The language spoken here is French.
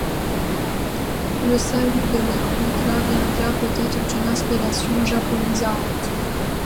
Le salut de leur contrat viendra peut-être d'une inspiration japonisante…